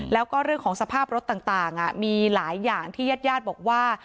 แล้วก็เรื่องของสภาพรถต่างมีหลายอย่างที่ญาติญาติบอกว่า